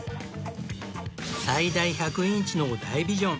最大１００インチの大ビジョン